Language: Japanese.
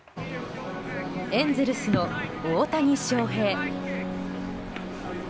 エンゼルスの大谷翔平。